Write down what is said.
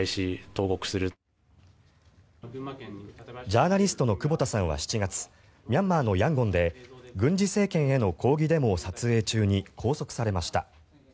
ジャーナリストの久保田さんは７月ミャンマーのヤンゴンで軍事政権への抗議デモを撮影中に拘束されました。